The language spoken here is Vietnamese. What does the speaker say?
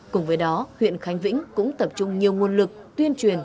cùng với đó huyện khánh vĩnh cũng tập trung nhiều nguồn lực tuyên truyền